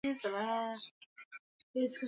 maalumu Kiingereza pia kinatumika hasa hasa katika